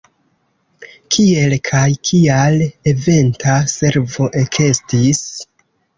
Kiel kaj kial Eventa Servo ekestis?